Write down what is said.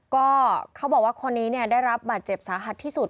ก็เขาบอกว่าคนนี้เนี่ยได้รับบาดเจ็บสาหัสที่สุด